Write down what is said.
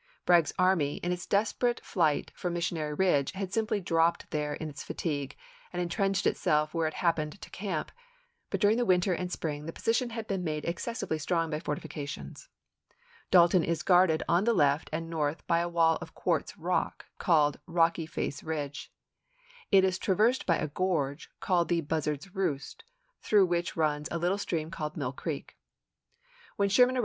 Bragg's army, in its desperate flight from Missionary Ridge, had simply dropped there in its fatigue, and intrenched itself where it happened to camp, but during the winter and spring the position had been made excessively strong by fortifications. Dalton is guarded on the left and north by a wall of quartz rock called 10 ABKAHAM LINCOLN chap. i. Rocky Face Ridge. It is traversed by a gorge called the Buzzard's Roost, through which runs a little stream called Mill Creek. When Sherman May, 1864.